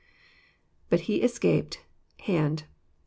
{ IBut he escaped. ..hand."